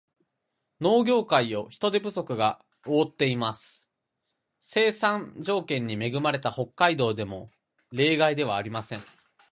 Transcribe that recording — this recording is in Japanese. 農業界を人手不足が覆っています。生産条件に恵まれた北海道も例外ではありません。